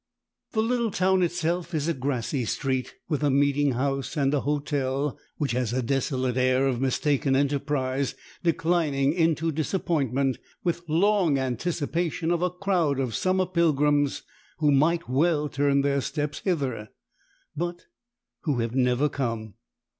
The little town itself is a grassy street, with a meeting house and a hotel, which has a desolate air of mistaken enterprise declining into disappointment, with long anticipation of a crowd of summer pilgrims, who might well turn their steps hither, but who have never come.